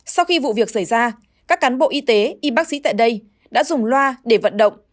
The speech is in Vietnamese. sau khi vụ việc xảy ra các cán bộ y tế y bác sĩ tại đây đã dùng loa để vận động